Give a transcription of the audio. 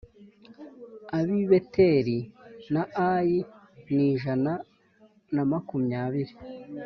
Ab i Beteli na Ayi ni ijana na makumyabiri